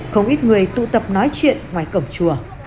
không ít người tụ tập nói chuyện ngoài cổng chùa